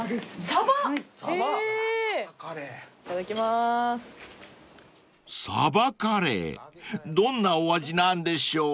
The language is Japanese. ［サバカレーどんなお味なんでしょう？］